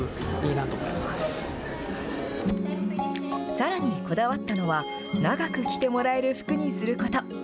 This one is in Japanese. さらにこだわったのは長く着てもらえる服にすること。